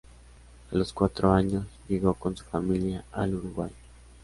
A los cuatro años llegó con su familia al Uruguay.